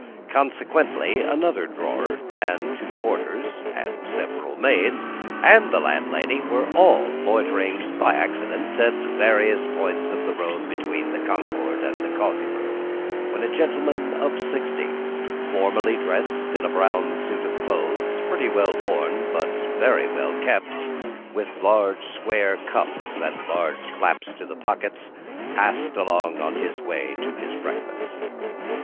Consequently, another drawer, and two porters, and several maids and the landlady, were all loitering by accident at various points of the road between the Concord and the coffee room, when a gentleman of sixty, formally dressed in a brown suit of clothes, pretty well worn, but very well kept, with large square cuffs and large flaps to the pockets, passed along on his way to his breakfast.